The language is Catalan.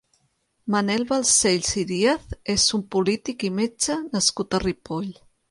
Manel Balcells i Díaz és un polític i metge nascut a Ripoll.